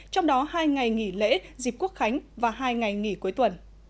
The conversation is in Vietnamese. trong đó hai ngày nghỉ lễ dịp quốc khánh và hai ngày nghỉ cuối tuần